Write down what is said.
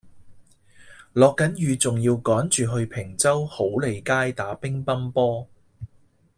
落緊雨仲要趕住去坪洲好利街打乒乓波